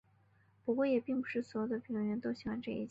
不过也并不是所有的评论员都喜欢这一集。